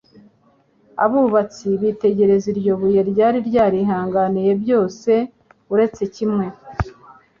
Abubatsi bitegereza iryo buye ryari ryarihanganiye byose uretse kimwe.